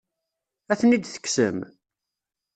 Ad ten-id-tekksem?